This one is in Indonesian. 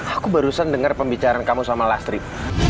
aku barusan dengar pembicaraan kamu sama lastrik